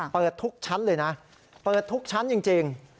เปิดทุกชั้นเลยนะเปิดทุกชั้นจริง